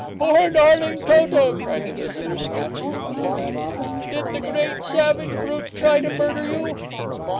'Poor darling Toto!' cried the visitor, snatching up the little animal. 'Did the great savage brute try to murder you!'